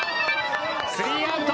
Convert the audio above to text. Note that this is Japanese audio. スリーアウト。